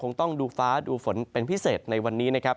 ต้องดูฟ้าดูฝนเป็นพิเศษในวันนี้นะครับ